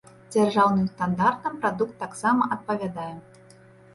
Дзяржаўным стандартам прадукт таксама адпавядае.